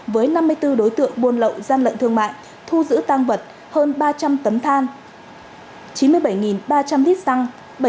với năm mươi bốn đối tượng buôn lậu gian lận thương mại thu giữ tăng vật hơn ba trăm linh tấn than chín mươi bảy ba trăm linh lít xăng